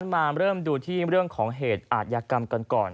มาเริ่มดูที่เรื่องของเหตุอาทยากรรมกันก่อน